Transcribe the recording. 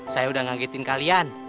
saya reda gelik dengan maria